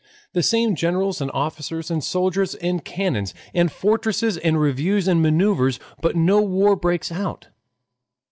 The same generals and officers and soldiers, and cannons and fortresses, and reviews and maneuvers, but no war breaks out.